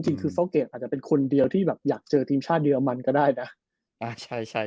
จริงคือโซเกรดอาจจะเป็นคนเดียวที่แบบอยากเจอทีมชาติเรมันก็ได้นะ